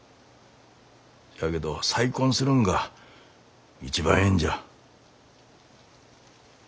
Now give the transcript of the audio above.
しゃあけど再婚するんが一番ええんじゃ。